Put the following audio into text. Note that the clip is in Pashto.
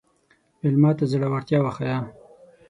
مېلمه ته زړورتیا وښیه.